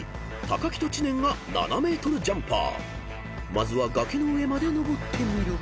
［まずは崖の上まで登ってみる］